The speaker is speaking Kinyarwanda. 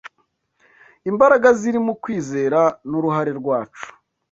Imbaraga ziri mu KWIZERA, n’uruhare rwacu